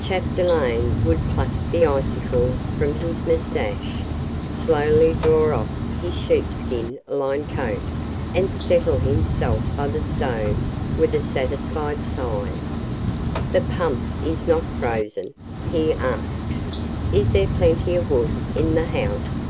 Chapdelaine would pluck the icicles from his moustache, slowly draw off his sheepskin lined coat and settle himself by the stove with a satisfied sigh. "The pump is not frozen?" he asks. "Is there plenty of wood in the house?"